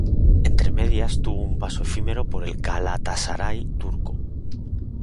Entre medias tuvo un paso efímero por el Galatasaray turco.